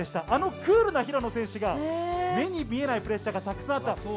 あのクールな平野選手が目に見えないプレッシャーがたくさんあった。